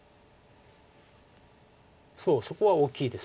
そうそこは大きいです。